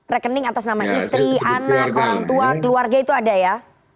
rekening atas nama istri anak orang tua keluarga itu ada ya